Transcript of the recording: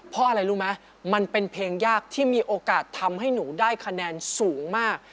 เพราะอะไรรู้ไหมมันเป็นเพลงยากที่มีโอกาสทำให้หนูได้คะแนนสูงมาก